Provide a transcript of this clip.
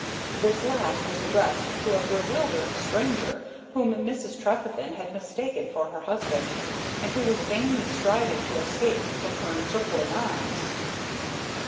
This last was addressed to a bewildered stranger whom Mrs. Trefethen had mistaken for her husband, and who was vainly striving to escape from her encircling arms.